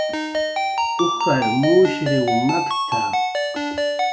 "Ujar mushriw makt""a"